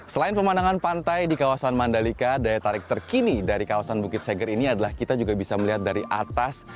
selain pemandangan pantai di kawasan mandalika daya tarik terkini dari kawasan bukit seger ini adalah kita juga bisa melihat dari atas